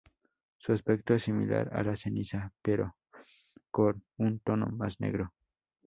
Su aspecto es similar a la ceniza pero con un tono más negro.